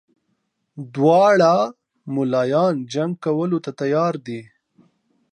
دواړه ملایان جنګ کولو ته تیار دي.